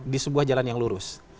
di sebuah jalan yang lurus